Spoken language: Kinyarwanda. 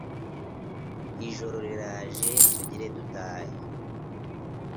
Ijoro riraje tugire dutahe